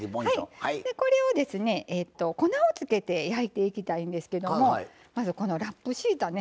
これをですね粉をつけて焼いていきたいんですけどもまずこのラップ敷いたね